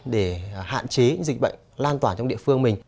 để hạn chế dịch bệnh lan tỏa trong địa phương mình